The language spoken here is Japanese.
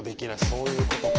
そういうことか。